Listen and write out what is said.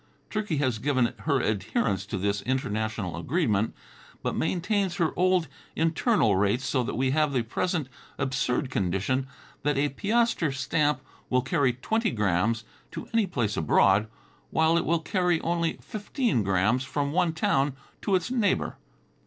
Turkey has given her adherence to this international arrangement, but maintains her old internal rates so that we have the present absurd condition, that a piaster stamp will carry twenty grams to any place abroad, while it will carry only fifteen grams from one town to its next neighbor.